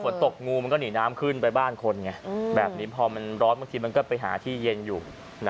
ตกงูมันก็หนีน้ำขึ้นไปบ้านคนไงแบบนี้พอมันร้อนบางทีมันก็ไปหาที่เย็นอยู่